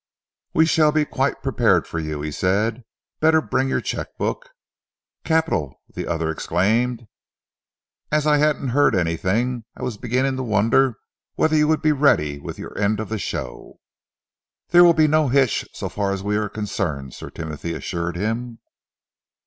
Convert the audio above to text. "We shall be quite prepared for you," he said. "Better bring your cheque book." "Capital!" the other exclaimed. "As I hadn't heard anything, I was beginning to wonder whether you would be ready with your end of the show." "There will be no hitch so far as we are concerned," Sir Timothy assured him.